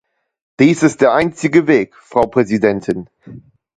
Dies ist der einzige Weg, Frau Präsidentin.